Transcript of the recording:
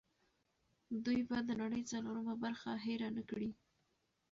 دوی به د نړۍ څلورمه برخه هېر نه کړي.